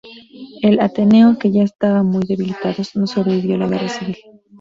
El Ateneo, que ya estaba muy debilitados no sobrevivió a la Guerra Civil.